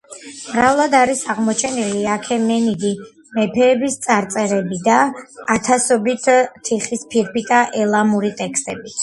მრავლად არის აღმოჩენილი აქემენიდი მეფეების წარწერები და ათასობით თიხის ფირფიტა ელამური ტექსტებით.